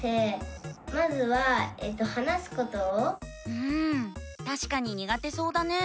うんたしかににがてそうだね。